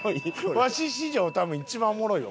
わし史上多分一番おもろいわこれ。